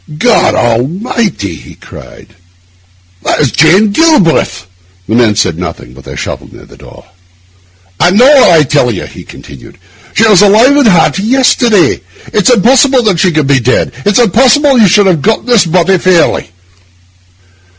'God Almighty!' he cried. 'That is Jane Galbraith!' The men answered nothing, but they shuffled nearer the door. 'I know her, I tell you,' he continued. 'She was alive and hearty yesterday. It's impossible she can be dead; it's impossible you should have got this body fairly.